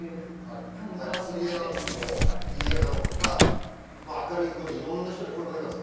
遊びでなんですけどにぎやかな子とか明るい子にいろんな人に声かけたんですよ